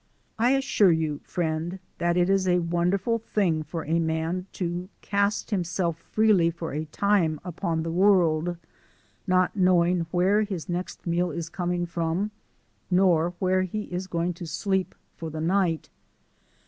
I assure you, friend, that it is a wonderful thing for a man to cast himself freely for a time upon the world, not knowing where his next meal is coming from, nor where he is going to sleep for the night.